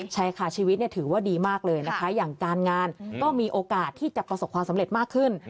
ใช่ค่ะชีวิตถือว่าดีมากเลยนะคะอย่างการงานก็มีโอกาสที่จะประสบความสำเร็จมากขึ้น